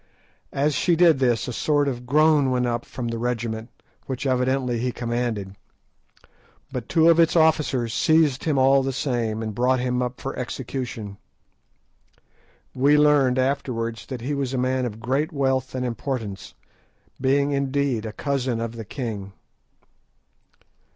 As she did this a sort of groan went up from the regiment which evidently he commanded. But two of its officers seized him all the same, and brought him up for execution. We learned afterwards that he was a man of great wealth and importance, being indeed a cousin of the king.